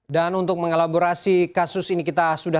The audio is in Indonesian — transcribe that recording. dan untuk mengelaborasi kasus ini kita sudah terbuka